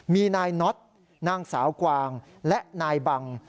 มีนายน็อตนางสาวกวางและนายบัง